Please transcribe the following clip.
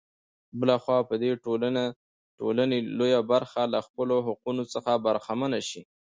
بـله خـوا بـه د دې ټـولـنې لـويه بـرخـه لـه خپـلـو حـقـونـو څـخـه بـرخـمـنـه شـي.